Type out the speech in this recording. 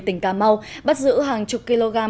tỉnh cà mau bắt giữ hàng chục kg